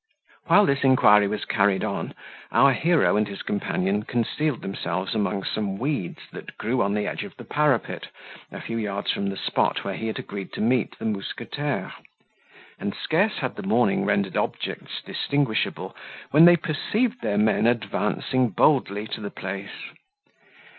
While this inquiry was carried on, our hero and his companion concealed themselves among some weeds, that grew on the edge of the parapet, a few yards from the spot where he had agreed to meet the mousquetaire; and scarce had the morning rendered objects distinguishable when they perceived their men advancing boldly to the place.